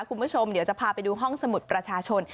คุณผู้ชมเดี๋ยวจะพาไปดูห้องสมุดประชาชน